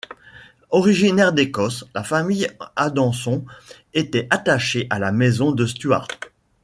Originaire d'Écosse, la famille Adanson était attachée à la maison de Stuart.